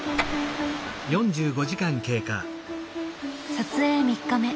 撮影３日目。